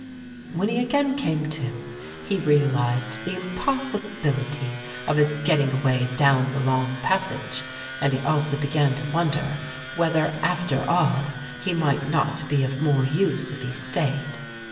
When he again came to, he realised the impossibility of his getting away down the long passage, and he also began to wonder whether after all he might not be of more use if he stayed.